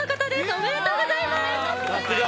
ありがとうございます。